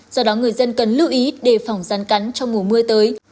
do đó người dân cần lưu ý đề phòng răn cắn trong mùa mưa tới